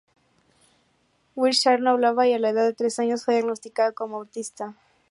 Wiltshire no hablaba, y a la edad de tres años fue diagnosticado como autista.